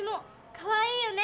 かわいいよね！